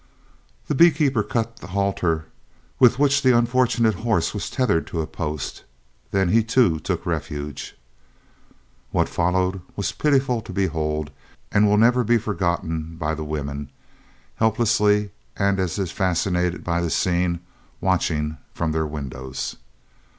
The bee keeper cut the halter with which the unfortunate horse was tethered to a post, then he too took refuge. What followed was pitiful to behold and will never be forgotten by the women, helplessly, and as if fascinated by the scene, watching from their windows.